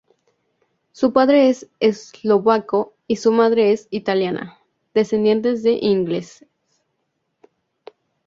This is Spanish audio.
Su padre es eslovaco y su madre es italiana, descendiente de ingleses.